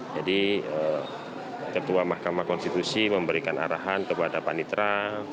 jadi ketua mahkamah konstitusi memberikan arahan kepada panitra